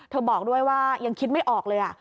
บอกด้วยว่ายังคิดไม่ออกเลย